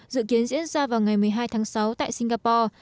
dự kiến diễn ra vào ngày một mươi hai tháng sáu tại singapore